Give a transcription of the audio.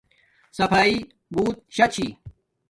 صفاݵݷ بوت شا چھی